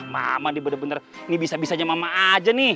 mama nih bener bener ini bisa bisanya mama aja nih